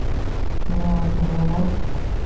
তুমি আমাকে বলো।